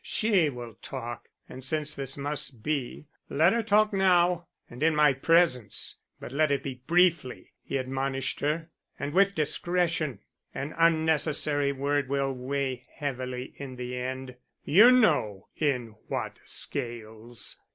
She will talk, and since this must be, let her talk now and in my presence. But let it be briefly," he admonished her, "and with discretion. An unnecessary word will weigh heavily in the end. You know in what scales.